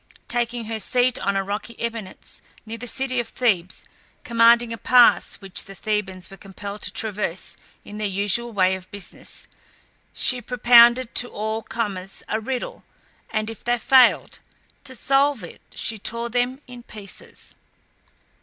Taking her seat on a rocky eminence near the city of Thebes, commanding a pass which the Thebans were compelled to traverse in their usual way of business, she propounded to all comers a riddle, and if they failed to solve it, she tore them in pieces.